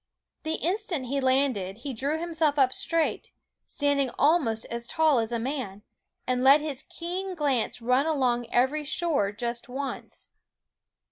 The instant he landed he drew himself up straight, standing almost as tall as a man, and let his keen glance run along every shore just once.